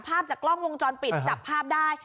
ภาพจากกล้องวงจรปิดจับภาพได้